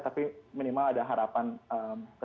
tapi minimal ada harapan